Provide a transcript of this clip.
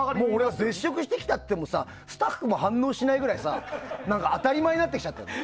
絶食してきましたよって言ってもスタッフも反応しないぐらい当たり前になってきちゃったよね。